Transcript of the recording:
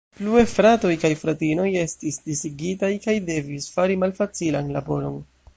Plue, fratoj kaj fratinoj estis disigitaj kaj devis fari malfacilan laboron.